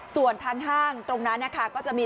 ส่วนทางห้างตรงนั้นนะคะก็จะมี